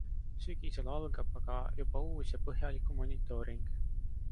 Sügisel algab aga juba uus ja põhjalikum monitooring.